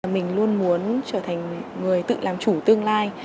mình luôn muốn trở thành người tự làm chủ tương lai